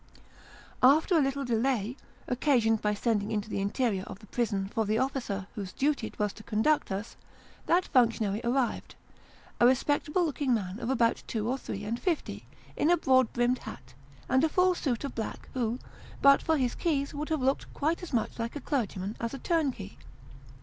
After a little delay, occasioned by sending into the interior of the prison for the officer whose duty it was to conduct us, that functionary arrived ; a Inside Newgate. 149 respectable looking man of about two or three and fifty, in a broad brimmed hat, and full suit of black, who, but for his keys, would have looked quite as much like a clergyman as a turnkey.